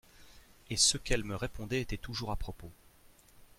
Et ce qu'elle me répondait était toujours à propos.